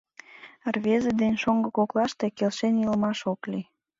Рвезе ден шоҥго коклаште келшен илымаш ок лий...